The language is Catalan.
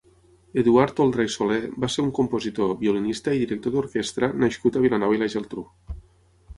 Eduard Toldrà i Soler va ser un compositor, violinista i director d'orquestra nascut a Vilanova i la Geltrú.